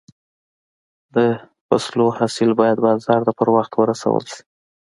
د فصلو حاصل باید بازار ته پر وخت ورسول شي.